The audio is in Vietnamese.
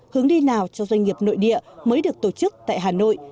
hướng đi nào cho doanh nghiệp nội địa mới được tổ chức tại hà nội